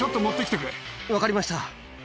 分かりました。